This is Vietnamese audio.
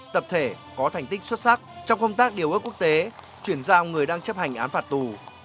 trong công tác điều ước quốc tế chuyển giao người đang chấp hành án phạt tù